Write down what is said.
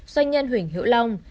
doanh nhân huỳnh hiễu long